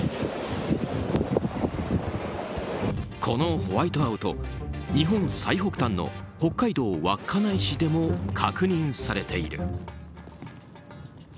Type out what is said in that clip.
このホワイトアウト日本最北端の北海道稚内市でも確認されている。